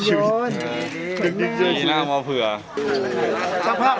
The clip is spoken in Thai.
จุดฟ้าชอบเกี่ยวกันมาก